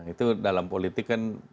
itu dalam politik kan